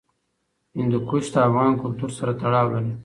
هندوکش د افغان کلتور سره تړاو لري.